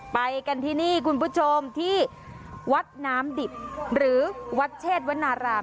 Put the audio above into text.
ไปกันที่นี่คุณผู้ชมที่วัดน้ำดิบหรือวัดเชษวนาราม